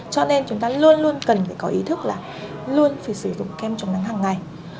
cho nên chúng ta luôn luôn cần phải có ý thức là luôn phải sử dụng kem chống nắng hàng ngày